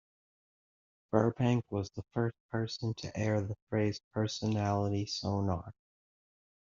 Burbank was the first person to air the phrase "personality sonar".